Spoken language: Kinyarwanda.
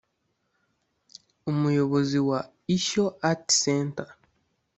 Umuyobozi wa Ishyo Arts Center